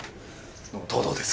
藤堂です。